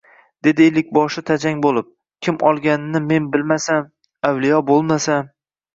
Dedi ellikboshi tajang bo‘lib, kim olganini men bilmasam, avliyo bo‘lmasam